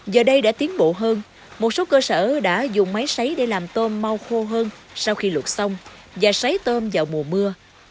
giờ đây đã tiến bộ hơn một số cơ sở đã dùng máy xấy để làm tôm mau khô hơn sau khi luột sông và sấy tôm vào mùa mưa